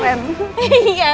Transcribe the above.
iya emang nenek keren baru tau